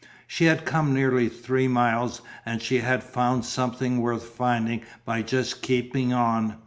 She had come nearly three miles and she had found something worth finding by just keeping on.